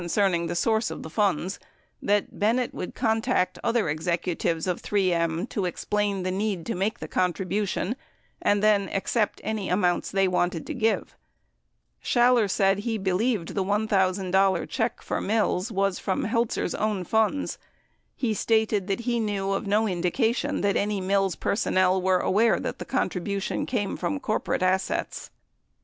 927 cerning the source of the funds that Bennett would contact other executives of 3 M to explain the need to make the contribution and then accept any amounts they wanted to give. Schaller said he be lieved the $1,000 check for Mills was from Heltzer's own funds. He stated that he knew of no indication that any Mills personnel were aware that the contribution came from corporate assets.